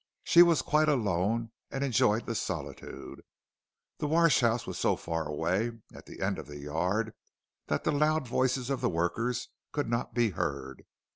She was quite alone and enjoyed the solitude. The wash house was so far away, at the end of the yard, that the loud voices of the workers could not be heard.